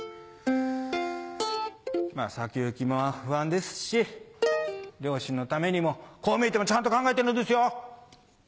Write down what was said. まぁ先行きも不安ですし両親のためにもこう見えてもちゃんと考えてるんですよ！